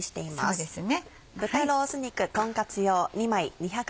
そうですね。